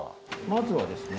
まずはですね